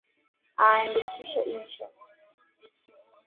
Anaandika insha